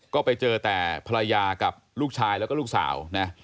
ก็ไปเจอแต่ภรรยากับลูกชายแล้วก็ลูกสาวนะ